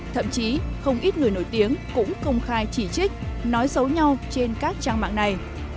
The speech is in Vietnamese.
thậm chí không ít người nổi tiếng cũng công khai chỉ trích nói xấu nhau trên các trang mạng này